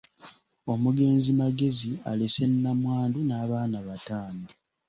Omugenzi Magezi alese nnamwandu n’abaana bataano.